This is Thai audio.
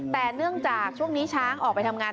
แต่เนื่องจากช่วงนี้ช้างออกไปทำงาน